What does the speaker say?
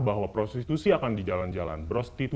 bahwa prostitusi akan dijalan jalanan ke tempat tempat yang lainnya